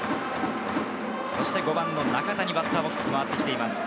そして５番の中田にバッターボックスが回ってきています。